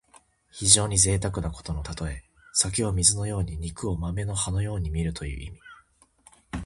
非常にぜいたくなことのたとえ。酒を水のように肉を豆の葉のようにみるという意味。